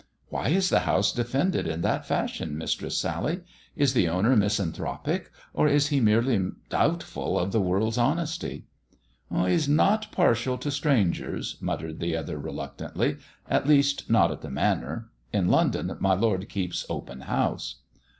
Why is the house defended in that fashion, Mistress Sally ? Is the owner misanthropic, or is he merely doubtful of the world's honesty ]" "He is not partial to strangers/' muttered the other reluctantly ;" at least, not at the Manor. In London my lord keeps open house."